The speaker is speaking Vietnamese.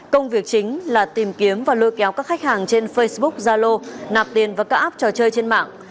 công việc chính là tìm kiếm và lôi kéo các khách hàng trên facebook zalo nạp tiền vào các app trò chơi trên mạng